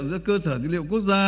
giữa cơ sở dữ liệu quốc gia